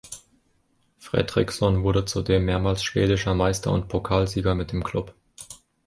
Fredriksson wurde zudem mehrmals schwedischer Meister und Pokalsieger mit dem Klub.